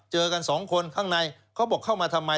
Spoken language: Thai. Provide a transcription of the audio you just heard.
เจอกันสองคนข้างในเขาบอกเข้ามาทำไม